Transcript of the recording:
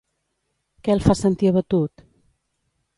Què el fa sentir abatut?